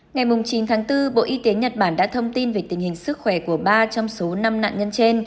ngày chín tháng bốn bộ y tế nhật bản đã thông tin về tình hình sức khỏe của ba trong số năm nạn nhân trên